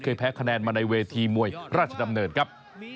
แพ้คะแนนมาในเวทีมวยราชดำเนินครับ